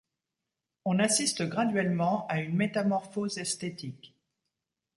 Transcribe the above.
On assiste graduellement à une métamorphose esthétique.